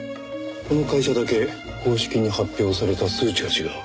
この会社だけ公式に発表された数値が違う。